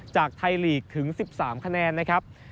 จากไทยลีกถึง๑๓คะแนนนะครับ